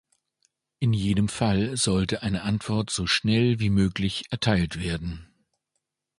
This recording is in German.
In jedem Fall sollte eine Antwort so schnell wie möglich erteilt werden.